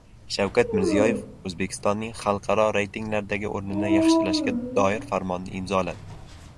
Shavkat Mirziyoyev O‘zbekistonning xalqaro reytinglardagi o‘rnini yaxshilashga doir farmonni imzoladi